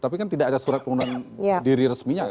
tapi kan tidak ada surat pengunduran diri resminya